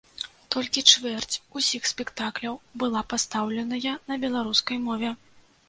Толькі чвэрць усіх спектакляў была пастаўленая на беларускай мове.